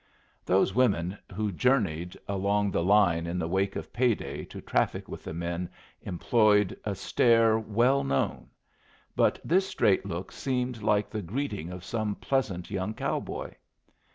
Those women who journeyed along the line in the wake of payday to traffic with the men employed a stare well known; but this straight look seemed like the greeting of some pleasant young cowboy.